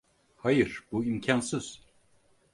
Hayır, bu imkansız.